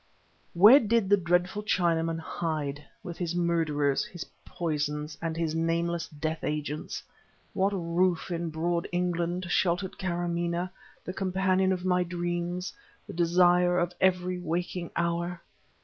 Where did the dreadful Chinaman hide, with his murderers, his poisons, and his nameless death agents? What roof in broad England sheltered Kâramaneh, the companion of my dreams, the desire of every waking hour?